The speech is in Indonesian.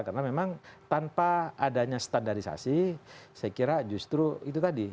karena memang tanpa adanya standarisasi saya kira justru itu tadi